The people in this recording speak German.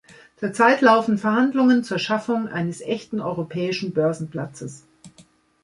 Zur Zeit laufen Verhandlungen zur Schaffung eines echten europäischen Börsenplatzes.